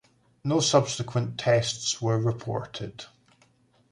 No subsequent tests were reported.